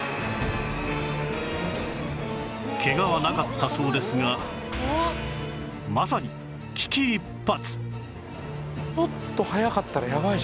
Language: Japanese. ケガはなかったそうですがまさに危機一髪